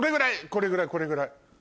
これぐらいこれぐらい。